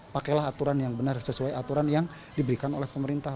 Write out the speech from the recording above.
pakailah aturan yang benar sesuai aturan yang diberikan oleh pemerintah